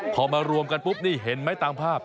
พอมารวมกันปุ๊บนี่เห็นไหมตามภาพ